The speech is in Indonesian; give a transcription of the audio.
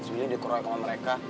terus willy dikurang sama mereka